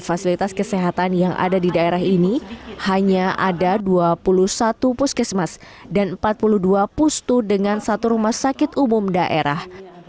fasilitas kesehatan yang ada di daerah ini hanya ada dua puluh satu puskesmas dan empat puluh dua pustu dengan satu rumah sakit umum daerah